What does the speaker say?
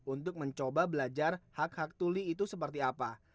untuk mencoba belajar hak hak tuli itu seperti apa